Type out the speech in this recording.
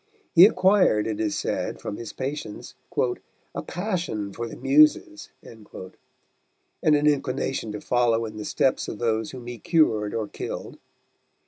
He acquired, it is said, from his patients "a passion for the Muses," and an inclination to follow in the steps of those whom he cured or killed.